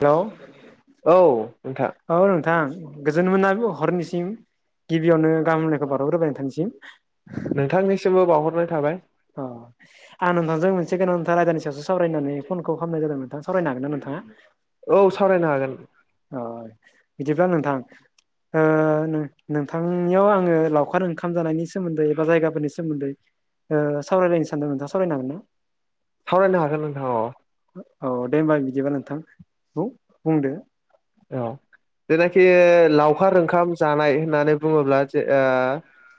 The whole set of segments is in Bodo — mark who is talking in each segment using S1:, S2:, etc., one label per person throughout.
S1: द
S2: औ नोंथा।
S1: नोंथां गोजोन मोना हरनिसिम गिबियावनो गाहाम हामनायखौ बावहर ग्रोबायना नोंथांनिसिम।
S2: नोंथांनिसिमबो बावहरनाय थाबाय।
S1: अ आं नोंथांजों मोनसे गोनांथार आयदानि सायावसो सावरायनो होन्नानै फनखौ खालामनाय जादों नोंथां सावरायनो हागोन ना नोंथाङा।
S2: औ सावरायनो हागोन।
S1: अ बिदिब्ला नोंथां। ओ नोंथांनियाव आङो लावखार ओंखाम जानायनि सोमोन्दै एबा जायगाफोरनि सोमोन्दै ओ सावरायलायनो सानदों नोंथां सावरायनो हगोन ना।
S2: सावरायनो हागोन नोंथां औ।
S1: औ दे होनोमबा बिदिबा नोंथां औ बुंदो।
S2: औ। जेनाखि लावखार ओंखाम जानाय होननानै बुङोब्ला जे ओ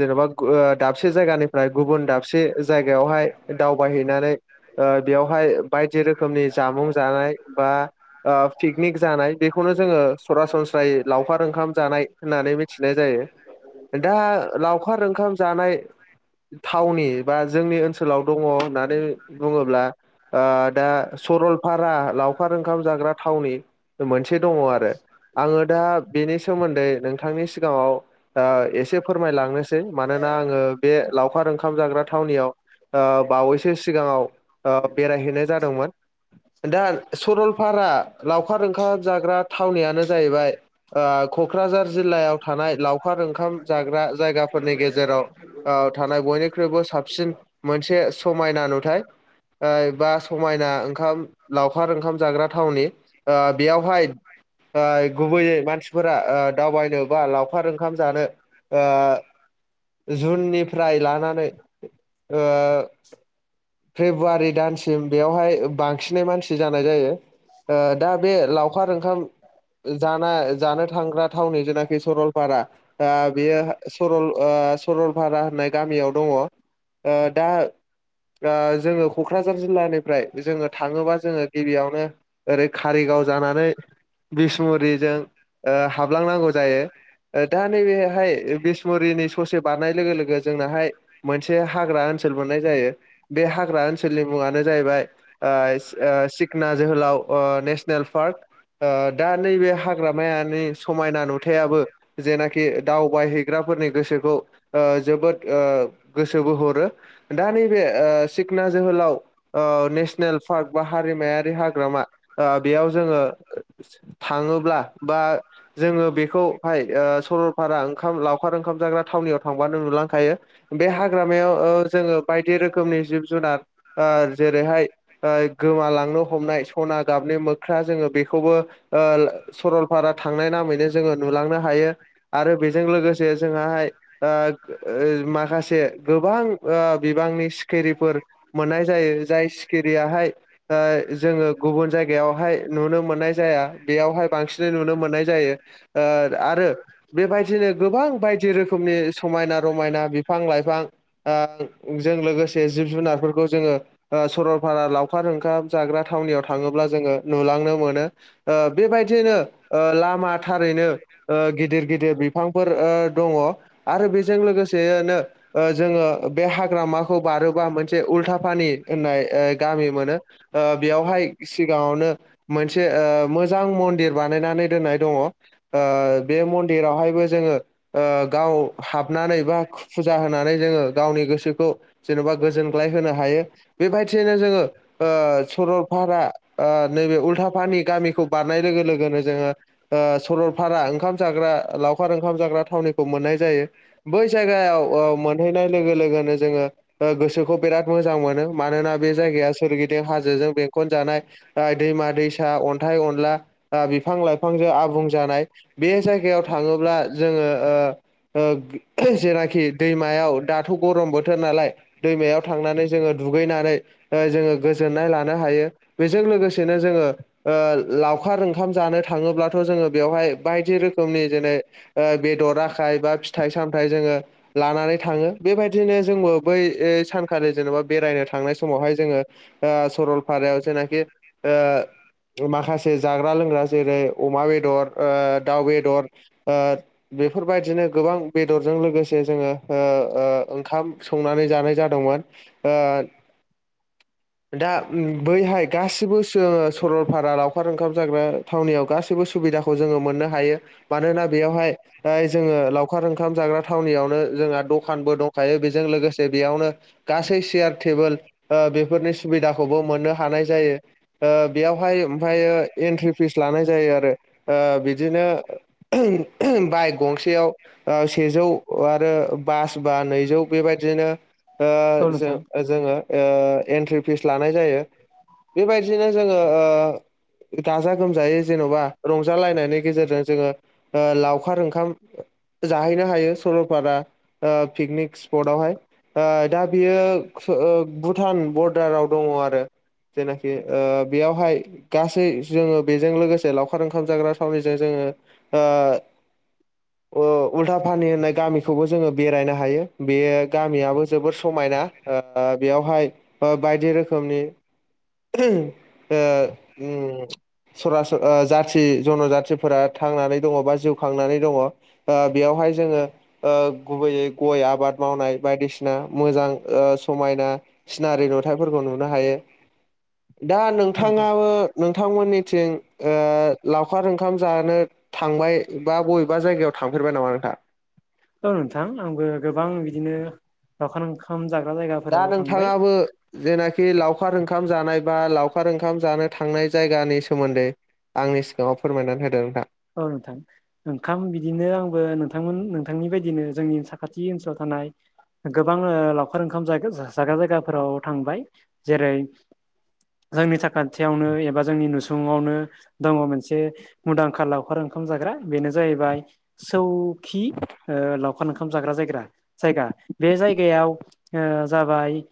S2: जेन'बा ओ दाबसे जायगानिफ्राय गुबुन दाबसे जायगायावहाय दावबायहैनानै ओ बेवहाय बायदि रोखोमनि जामुं जानाय बा ओ पिकनिक जानाय बेखौनो जोङो सरासनस्रायै लावखार ओंखाम जानाय होननानै मिथिनाय जायो। दा लावखार ओंखाम जानाय थावनि बा जोंनि ओनसोलाव दङ होननानै बुङोब्ला ओ दा सरलपारा लावखार ओंखाम जाग्रा थावनि मोनसे दङ आरो आङो दा बेनि सोमोन्दै नोंथांनि सिगाङाव ओ एसे फोरमाय लांनोसै मानोना आङो बे लावखार ओंखाम जाग्रा थावनियाव ओ बावैसो सिगाङाव बेरायहैनाय जादोंमोन। दा सरलपारा लावखार ओंख थावनियानो जाहैबाय ओ क'क्राझार जिल्लायाव थानाय लावखार ओंखाम जाग्रा जायगा जायगाफोरनि गेजेराव ओ थानाय बयनिख्रुइबो साबसिन मोनसे समायना नुथाय। ओ बा समायना ओंखाम लावखार ओंखाम जाग्रा थावनि ओ बेहाय गुबैयै मानसिफोरा दावबायनो बा लावखार ओंखाम जानो ओ जुननिफ्राय लानानै फेब्रुवारि दानसिम बेयावहाय बांसिनै मानसि जानाय जायो दा बे लावखार ओंखाम जानाय जानो जानो थांग्रा थावनि जेनाखि सरलपारा दा बेयो सरल ओ ओ सरलपारा होननाय गामियाव दङ ओ दा दा जोङो क'क्राझार जिल्लानिफ्राय जोङो थाङोबा जोङो गिबियावनो ओरै कारिगाव जानानै बिसमुरिजों ओ हाबलांनांगौ जायो ओ दा नैबेहाय बिसमुरिनि ससे बारनाय लोगो लोगो जोंनाहाय मोनसे हाग्रा ओन सोल मोननाय जायो बे हाग्रा ओनसोलनि मुङानो जाहैबाय ओ सिखना जोहोलाव नेसनेल पार्क दा नैबे हाग्रामायानि समायना नुथायाबो जेनाखि दावबायहैग्रा फोरनि गोसोखौ ओ जोबोद ओ गोसोबो हरो दा नैबे सिखना जोहोलाव ओ सनेल पार्क बा हारिमायारि हाग्रामा ओ बेयाव जोङो थाङोब्ला बा जोङो बेखौहाय ओ सरलफा लावखार ओंखाम जाग्रा थावनि आव थांबानो नुलांखायो बे हाग्रायाव ओ जोंङो बायदि रो रोखोमनि जिब जुनार जेरैहाय गोमालांनो हमनाय सना गाबनि मो ख्रा जोङो बेखौबो सरलपारा थांनाय नामैनो जोङो नुलांनो हायो आरो बेजों लोगोसे जोंहाय माखासे गोबां बिबांनि सिखिरिफोर मोननाय जायो जाय सिखिरियाहाय जोङो गुबुन जायगायावहाय नुनो मोननाय जाया बेयावहाय बांसिनै नुनो मोननाय जायो आरो बेबायदिनो गोबां बायदि रोखोमनि समायना रमायना बिफां लाइफां जों लोगोसे जिब जुनारफोरखौ जोङो सरलपारा लावखार ओंखाम जाग्रा थावनियाव थाङोब्ला जोङो नुलांनो मोनो बेबायदिनो लामा थारैनो गिदिर गिदिर बिफांफोर दङ आरो बेजों लोगोसेयैनो जोङो बे हाग्रामाखौ बारोबा मोनसे उल्था पानि होननाय गामि मोनो बेयावहाय सिगाङावनो मोनसे मोजां मन्दिर बानायनानै दोननाय दङ बे ओ मन्दिरावहायबो जोङो ओ गाव हाबनानै बा फुजा होनानै जोङो गावनि गोसोखौ जेन'बा गोजोन सुग्लाय होनो हायो बेबायदियैनो जोङो सरलपारा ओ नैबे उल्था फानि गामिखौ बारनाय लोगो लोगोनो जोङो सरलपारा ओंखाम जाग्रा लावखार ओंखाम जाग्रा थावनिखौ मोननाय जायो बै जायगायाव मोनहैनाय लोगो लोगोनो जोङो गोसोखौ बिराद मोजां मोनो मानोना बे जायगाया सोरगिदिं हाजोजों बेंखनजानाय दैमा दैसा अन्थाइ अनला बिफां लाइफांजों आबुं जानाय बे जायगायाव थाङोब्ला जोंङो ओ ओ जेनाखि दैमायाव दाथ' गरम बोथोर नालाय दै थांनानै जोङो दुैनानै जोंङो गोजोननाय लानो हायो लोगोसेनो जोंङो लखार ओंखाम जानो थाङोबाथ' जोंङो बेयावहाय बायदि रोखोमनि जेनै बेदर आखाय बा फिथाइ सामथ जोङो लानानै थाङो बेबायदिनो जोंबो बै सानखालि जेनेबा बेरायनो थांनाय समावहाय जोंङो सरलपारायाव जेनाखि माखासे जाग्रा लोंग्रा जेरै अमा बेदर ओ दाउ बेदर ओ बेफोरबायदिनो गोबां बेदरजों लोगोसे जोङो ओ ओ ओंखाम संनानै जानाय जादोंमोन ओ दा बैहाय गासिबो सो- सरलपारा लावखार ओंखाम जाग्रा थावनियाव गाससिबो सुबिदाखौ जोङो मोननो हायो मानोना बेयावहाय जोङो लावखार ओंखाम जाग्रा थावनियावनो जोंहा दखानबो दंखायो बेजों लोगोसे बेयावनो गासै सेयार टेबोल बेफोरनि सुबिदाखौबो मोननो हानाय जायो बेयावहाय ओमफ्रायो एन्ट्रि फिस लानाय जायो आरो बिदिनो [unintelligible] बाइक गंसेयाव ओ सेजौ आरो बास बा नैजौ बेबायदिनो ओ
S1: औ
S2: जों
S1: नोंथां
S2: जोङो ओ एन्ट्रि फिस लानाय जायो बेबायदि बिदिनो जोङो ओ गाजा गोमजायै जेन'बा रंजालायनायनि गेजेरजों जोङो ओ लावखार ओंखाम जाहैनो हायो सरलपारा ओ पिकनिक स्पटवहाय दा बियो ओ भुटान बरडाराव दङ आरो जेना ओ बेयावहाय गासै जोङो बेजों लोगोसे लावखार ओंखाम जाग्रा थावनिजों जोङो ओ ओ उल्था पानि होननाय गामिखौबो जोङो बेरायनो हायो बे गामियाबो जोबोर समाय ना ओ बेयावहाय ओ बायदि रोखोमनि
S1: [inaudible]
S2: [unintelligible] ओ उम सरास ओ जाथि जन'जाथिफोरा थांनानै दङ बा जिउ खांनानै दङ ओ बेयावहाय बेहाय जोङो ओ गुबैयै गय आबाद मावनाय बायदिसिना मोजां ओ समायना सिनारि नुथायफोरखौ नुनो हायो।
S1: [inaudible]
S2: दा नोंथाङाबो नोंथांमोननि थिं ओ लावखार ओंखाम जानो थांबाय बा बबेबा जायगायाव थांफेरबाय नामा नोंथां? [unintelligible]
S1: औ नोंथां आंबो गोबां बिदिनो लावखार ओंखाम जागोन
S2: दा नोंथाङाबो जेनाखि लावखा खार ओंखाम जानाय बा लावखार ओंखाम जानो थांनाय जायगानि सोमोन्दै आंनि सिगाङाव फोरमायनानै होदों नोंथां?
S1: औ नोंथां ओंखाम बिदिनो आंबो नोंथांमोन नोंथांनि बायदिनो जोंनि साखाथि ओनसोलाव थां नाय गोबां ओ लावखार ओंखाम जाग्रा जायगा जायगाफोराव थांबाय जेरै जोंनि साखाथियावनो एबा जोंनि नुसुंआवनो दङ मोनसे मुंदांखा लावखार ओंखाम जाग्रा बेनो जाहैबाय सौखि ओ लावखार ओंखाम जाग्रा जायगा। जायगा बे जायगायाव ओ जाबाय ओ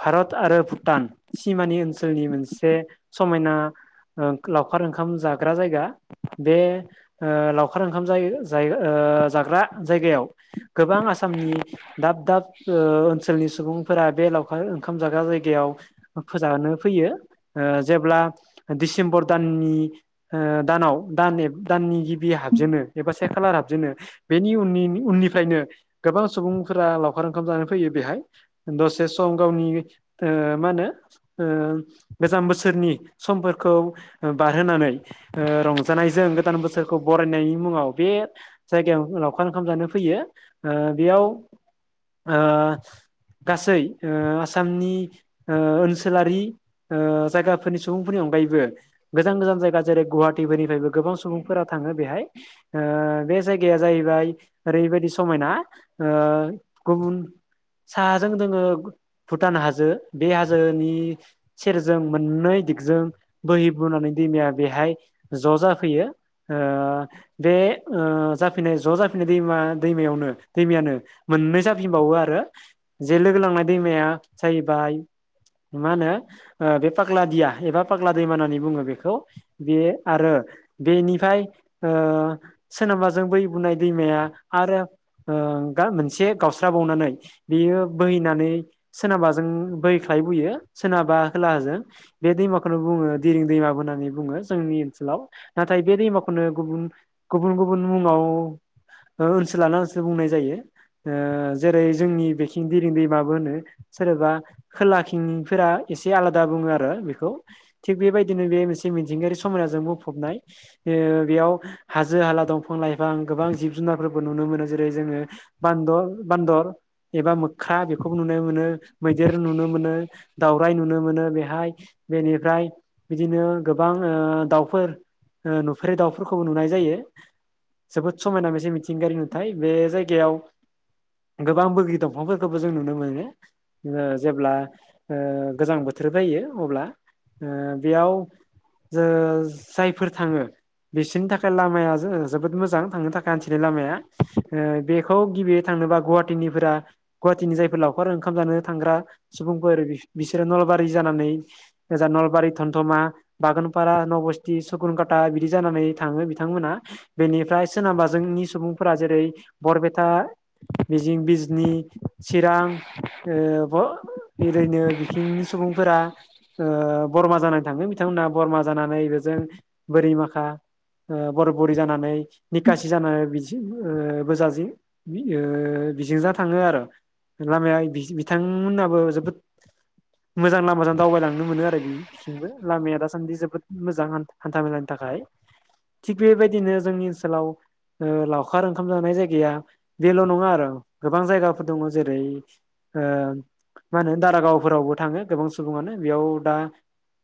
S1: भारत आरो भुटान सिमा नि ओनसोलनि मोनसे समायना ओ लावखार ओंखाम जाग्रा जायगा। बे ओ लावखार ओंखाम जायो जायो ओ जाग्रा जायगायाव गोबां आसामनि दाब दाब ओ ओनसोलनि सुबुंफोरा बे लावखार ओंखाम जाग्रा जायगायाव फोजानो फैयो ओ जेब्ला दिसेम्बर दाननि नि ओ दानाव दान दाननि गिबि हाबजेनो एबा से खालार हाबजेनो बेनि उननि उननिफ्रायनो गोबां सुबुंफोरा लावखार ओंखाम जानो फैयो बेहाय दसे सम गावनि ओ मा होनो ओ गोजाम बोसोरनि समफोरखौ बारहोनानै रं जानाय जों गोदान बोसोरखौ बरायनायनि मुङाव बे जायगायाव लावखार ओंखाम जानो फैयो ओ बेयाव ओ गासै ओ आसामनि ओ ओनसोलारि ओ जायगाफोरनि सुबुंफोरनि अनगायैबो गोजान गोजान जायगा जेरै गुवाहाटिफोरनि फ्रायबो गोबां सुबुंफोरा थाङो बेहाय ओ बे जायगाया जाहैबाय ओरैबायदि समायना। ओ गुबुन साहाजों दोङो भुटान हाजो बे हाजोनि सेरजों मोननै दिगजों बोहै बोनानै दैमाया बेहाय ज' जाफैयो ओ बे ओ जाफैनाय ज' जाफैनाय दैमा दैमायावनो दैमायानो मोननै जाफिनबावो आरो जे लोगो लांनाय दैमाया जाहैबाय मा होनो बे पाग्ला दिया एबा पाग्ला दैमा होननानै बुङो बेखौ। बे आरो बेनिफ्राय ओ सोनाबाजों बोहै बुनाय दैमाया आरो ओ मोनसे गावस्राबावनानै बियो बोहैनानै सोनाबाजों बोहैखा बुयो सोनाबा खोलाजों बे दैमाखौनो बुङो दिरिं दैमा होननानै बुङो। जोंनि ओनसोलाव नाथाय बे दैमाखौनो गुबुन गुबुन गुबुन मुङाव ओ ओनसोल लाना ओनसोल बुंनाय जायो। ओ जेरै जोंनि बेखिं दिरिं दै माबो होनो सोरबा खोलाथिंनिफोरा एसे आलादा बुङो आरो बेखौ थिग बेबायदिनो बे मोनसे मिथिंगायारि समायना जों बुंफबनाय ओ बेयाव हाजो हाला दंफां लाइफां गोबां जिब जुनार नुनो मोनो। जेरै जोङो बान्द बान्दर एबा ख्रा बेखौबो नुनो मोनो मैदेर नुनो मोनो दाउ, राय नुनो मोनो बेहाय बेनिफ्राय बिदिनो गोबां ओ दाउ फोर नुफेरै दाउफोरखौबो नुनाय जायो। जोबोद समायना मोनसे मिथिंगायारि नुथाय बे जायगायाव गोबां बोगि दंफांफोरखौबो जों नुनो मोनो ओ जेब्ला ओ गोजां बोथोर फैयो अब्ला ओ बेयाव ओ जायफोर थाङो बिसोरनि थाखाय लामाया जो जोबोद मोजां थांनो थाखाय हान्थिनाय लामाया ओ बेखौ गिबियै थां नोबा गवाहाति निफोरा गवाहातिनि जायफोर लावखार ओंखाम जानो थांग्रा सुबुंफोर बिसोर नलबारि जानानै ओजा नलबारि थनथमा बागानफारा नस सकुन खााटा बिदि जानानै थांङो बिथांमोना बेनिफ्राय सोरनाबबा जोंनि सुबुंफोरा जेरै बरपेटा मिजिं बिजनि चिरां ओ ओरैनो बिखंनि सुबुंफोरा बरमा जानानै थांङो बिथांमोना बरमा जानानै जों बोरै माखा बर' बरि जानानै निकसि जानानै बि ओ बोजाजि ओ बेजोंज थांङो आरो लामाया बिथांमोनाबो जोबोद मोजां लामाजों दावबायलांनो मोनो आरो बेथिंबो लामाया दासान्दि जोबोद मोजां मोजां हान्था मेलानि थाखाय थिग बेबायदिनो जोंनि ओनसोलाव लावखार ओंखाम जानाय जायगाया बेल' नंङा आरो गोबां जायगाफोर दंङो जेरै ओ मा होनो दारागावफोरावबो थांङो गोबां सुबुंङानो बेयाव दा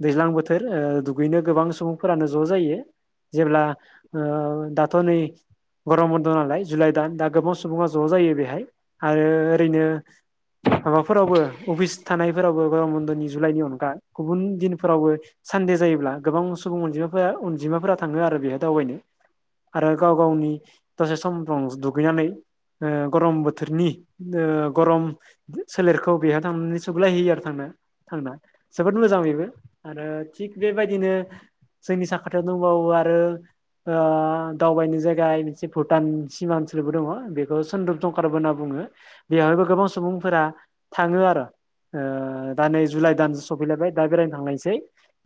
S1: दैज्लां बोथोर ओ दुगैनो गोबां सुबुंफोरानो ज' जायो जेब्ला ओ दाथ' नै गरम बन्द नालाय जुलाइ दान दा गोबां सुबुंङा ज' जायो बेहाय आरो ओरैनो माबाफोरावबो अफिस थानायफोरावबो गरम बन्द'नि जुलाइनि अनगा गुबुन दिनफोरावबो सान्दे जायोब्ला गोबां सुबुं अनजिा अनजिमाफोरा थांङो आरो बेहाय दावबायनो आरो गाव गावनि दसे समफ्र दुगैनानै ओ गरम बोथोरनि ओ गरम सोलेरखौ बेहा थांनानै सग्लायहैयो आरो थांनानै जोबोद मोजां बेबो आरो थि बेबाय बिदिनो जोंनि साखाथियाव दंबावो आरो ओ दावबायनो जायगाय मोनसे भुटान सिमा ओनसोलबो दंङ बेखौ सदप दंकारबो होनना बुंङो बेवहायबो गोबां सुबुंफोरा थांङो आरो ओ दा नै जुलाइ दानसो सफैलायबाय दा बेरायनो थांलायसै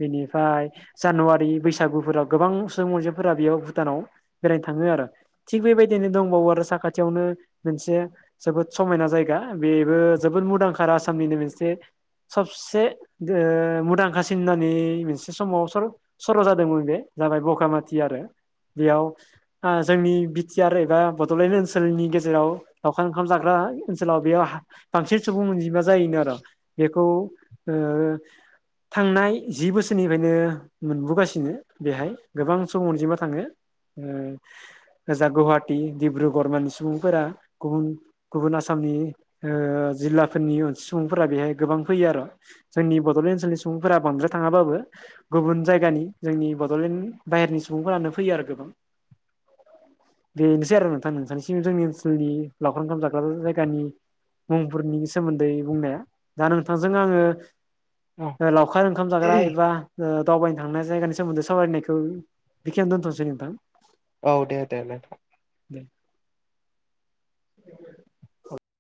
S1: बिनि ओमफ्राय जानुवारि बैसागुफोराव गोबां सुबुं अनजिफोरा बेयाव भुटानाव बेरायनो थांङो आरो थिग बेबायदिनो दंबावो आरो साखाथियावनो मोनसे जोबोद समायना जायगा बेबो जबो जबोद मुंदांखा आसामनिनो मोनसे सबसेओ मुंदांखा सिमनानि मोनसे समाव सर' जादोंमोन बे जाबाय बगामाथि आरो बेयाव जोंनि बिटिआ एबा बड'लेण्ड ओनसोलनि गेजेराव लावखार ओंखाम जाग्रा ओनसोलाव बेयाव बांसिन सुबुं अनजिमा जायोनो आरो बे थांनाय जि बोसोर निफ्रायनो मोनबोगासिनो बेहाय गोबां सम अनजिमा थांङो उम जाा गुवाहाटी डिब्रु गरमाननि सुबुंफोरा गुबुन गुबुन आसामनि ओ जिल्लाफोरनि सुबुंफोरा बेहाय गोबां फैयो आरो जोंनि बड'लेण्ड ओनसोलनि सुबुंफोरा बांद्राय थांङाबाबो गुबुन जायगानि, जोंनि बड'लेण्ड बाहेरनि सुबुंफोरानो फैयो आरो गोबां। बेनोसै आरो नोंथां, नोंथांनिसिम जोंनि ओनसोलनि लावख ओंखाम जाग्रा जायगानि मुंफोरनि सोमोन्दै बुंनाया। दा नोंथांजों आंङो लावखार ओंखाम जाग्रा एबा ओ दावबायनो थांनाय जायगानि सोमोन्दै सावरायनायखौ बेखिनो दोन्थ'नोसै नोंथां।
S2: औ दे दे दे।
S1: [inaudible]